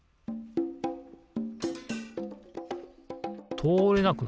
とおれなくなった。